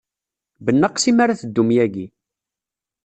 Bnaqes imi ara teddum yagi.